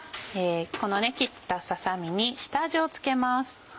この切ったささ身に下味を付けます。